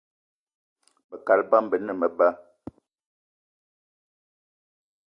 Be kaal bama be ne meba